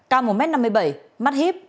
cao một m năm mươi bảy mắt hiếp